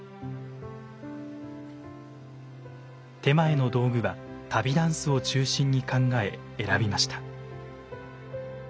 点前の道具は旅箪笥を中心に考え選びました。